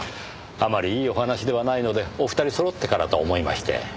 あまりいいお話ではないのでお二人そろってからと思いまして。